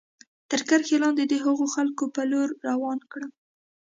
تر کرښې لاندې د هغو خلکو په لور روان کړم.